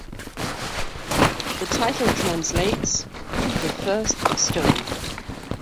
The title translates "The first stone".